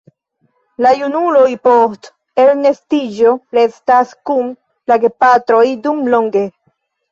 La junuloj post elnestiĝo restas kun la gepatroj dumlonge.